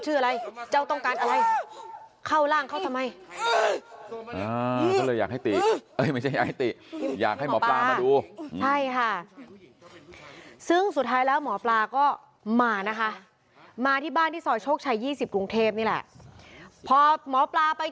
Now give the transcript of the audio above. เจ้าเป็นใครผู้หญิงหรือผู้ชายพูดมา